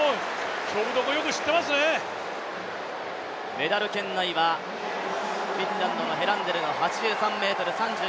メダル圏内はフィンランドのヘランデルの記録。